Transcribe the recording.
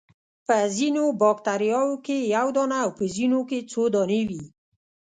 په ځینو باکتریاوو کې یو دانه او په ځینو کې څو دانې وي.